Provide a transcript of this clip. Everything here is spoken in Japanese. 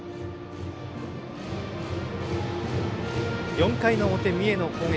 ４回の表、三重の攻撃。